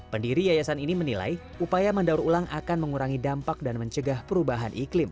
pendiri yayasan ini menilai upaya mendaur ulang akan mengurangi dampak dan mencegah perubahan iklim